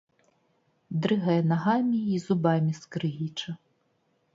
Дрыгае нагамі й зубамі скрыгіча.